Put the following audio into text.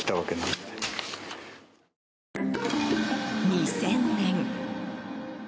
２０００年。